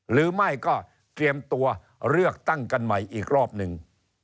หรือไม่ก็เตรียมตัวเลือกตั้งกันใหม่อีกรอบหนึ่ง